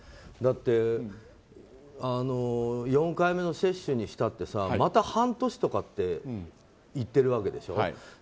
だって、４回目の接種にしたってまた半年とかって言ってるわけでしょ。